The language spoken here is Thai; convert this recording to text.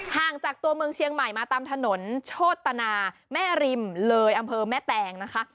ห่างจากตัวเมืองเชียงใหม่มาตามถนนโชตนาแม่ริมเลยอำเภอแม่แตงนะคะ